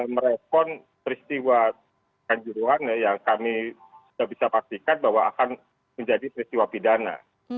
merespon peristiwa kanjuruhan yang kami sudah bisa pastikan bahwa akan menjadi peristiwa pidana